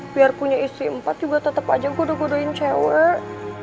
biar punya istri empat juga tetap aja godo godohin cewek